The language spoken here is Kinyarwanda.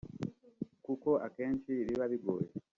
kuko akenshi biba bigoye